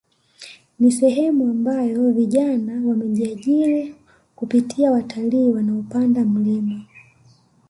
Ni sehemu ambayo vijana wamejiajiri kupitia watalii wanaopanada milima